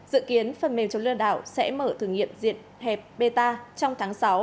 dự kiến phần mềm chống lừa đảo sẽ mở thử nghiệm diện hẹp beta trong tháng sáu